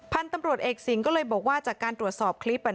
พันธุ์ตำรวจเอกสิงห์ก็เลยบอกว่าจากการตรวจสอบคลิป